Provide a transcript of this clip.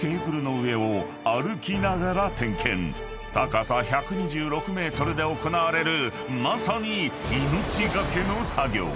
［高さ１２６ｍで行われるまさに命懸けの作業］